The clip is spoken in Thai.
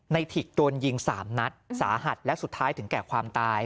ถิกโดนยิง๓นัดสาหัสและสุดท้ายถึงแก่ความตาย